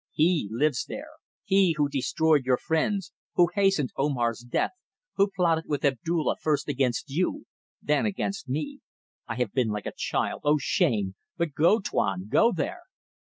"He lives there: he who destroyed your friends; who hastened Omar's death; who plotted with Abdulla first against you, then against me. I have been like a child. O shame! ... But go, Tuan. Go there."